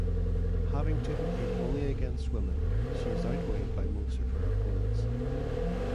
Having to compete only against women she is outweighed by most of her opponents.